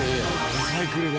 リサイクルで。